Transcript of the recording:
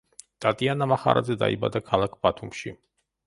ტატიანა მახარაძე დაიბადა ქალაქ ბათუმში.